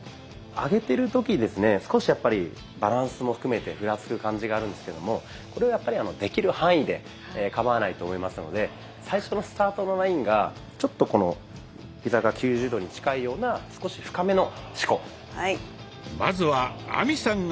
上げてる時ですね少しやっぱりバランスも含めてふらつく感じがあるんですけどもこれはやっぱりできる範囲でかまわないと思いますので最初のスタートのラインがちょっとこのヒザが９０度に近いような少し深めの四股。